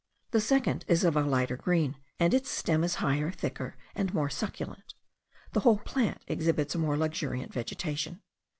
The second is of a lighter green; and its stem is higher, thicker, and more succulent. The whole plant exhibits a more luxuriant vegetation.